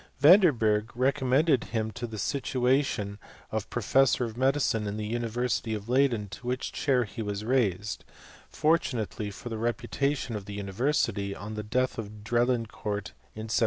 . Van den Bei^ recommended him to the situation of professor of m^cine in the University of Leyden, to which chair he was raised, fortunately for the reputation of the university, on the death of Drelincourt, m 1702.